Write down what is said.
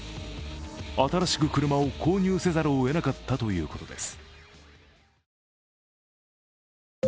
新しく車を購入せざるをえなかったということです。